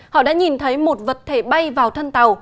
họ đã nhìn thấy một vật thể bay vào thân tàu